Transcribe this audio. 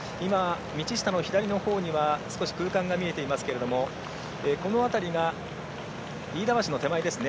道下の左のほうには少し空間が見えていますけれどもこの辺りが飯田橋の手前ですね。